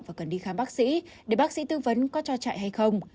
và cần đi khám bác sĩ để bác sĩ tư vấn có cho trại hay không